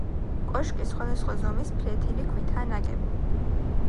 კოშკი სხვადასხვა ზომის ფლეთილი ქვითაა ნაგები.